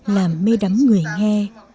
làm mê đắm người nghe